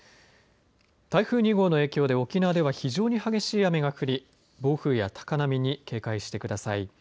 台風２号の影響で沖縄では非常に激しい雨が降り暴風や高波に警戒してください。